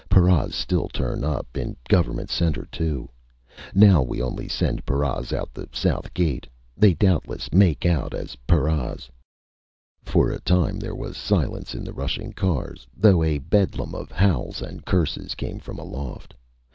Paras still turn up, in Government Center, too! Now we only send paras out the south gate. They doubtless make out as paras." For a time there was silence in the rushing cars, though a bedlam of howls and curses came from aloft.